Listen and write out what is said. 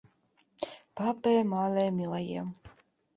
Папе, мале, милаем